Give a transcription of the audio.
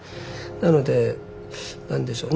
なので何でしょう